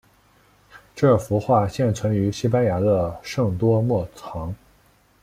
这幅画现存于西班牙的圣多默堂。